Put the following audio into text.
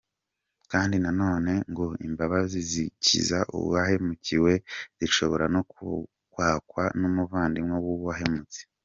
Kandi na none, ngo imbabazi zikiza uwahemukiwe zishobora no kwakwa n’umuvandimwe w’uwahemutse.